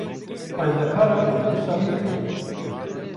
Xwendekaran pirsa wî kir.